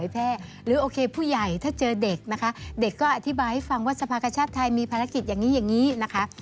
หรือโอเคผู้ใหญ่ถ้าเจอเด็กนะคะเด็กก็อธิบายให้ฟังว่าสภาคชาติไทยมีภารกิจอย่างนี้อย่างนี้นะคะ